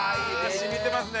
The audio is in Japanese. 染みてますね